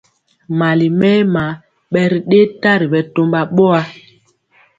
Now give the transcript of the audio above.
Mali mɛma bɛ ri dɛyɛ tari bɛ tɔmba boa.